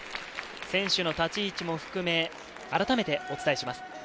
選手の立ち位置も含め、あらためてお伝えします。